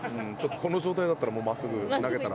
この状態だったらもう真っすぐ投げたら。